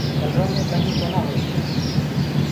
ڪلرو مي ٻنيٚ ڪونآ هوئي